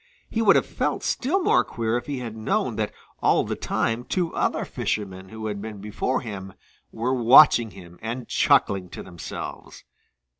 He would have felt still more queer if he had known that all the time two other fishermen who had been before him were watching him and chuckling to themselves.